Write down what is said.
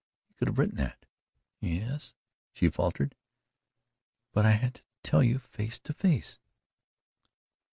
"You could have written that." "Yes," she faltered, "but I had to tell you face to face."